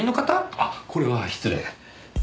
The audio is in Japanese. あっこれは失礼。